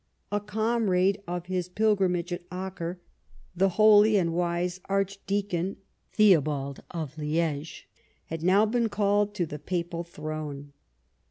A comrade of his pilgrimage at Acre, the holy and wise Archdeacon Theobald of Lifege, had now been called to the papal throne.